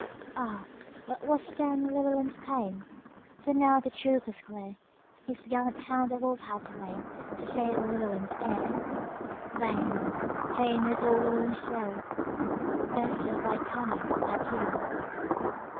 Ah, what was then Llewelyn's pain! For now the truth was clear; His gallant hound the wolf had slainTo save Llewelyn's heir:Vain, vain was all Llewelyn's woe;"Best of thy kind, adieu!